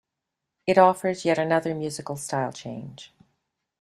It offers yet another musical style change.